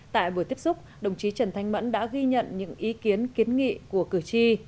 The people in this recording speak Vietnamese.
tại buổi tiếp xúc đồng chí trần thanh mẫn đã ghi nhận những ý kiến kiến nghị của cử tri